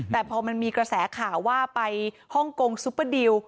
แต่พอมันมีกระแสข่าวว่าไปฮ่องกงซุปเปอร์ดิล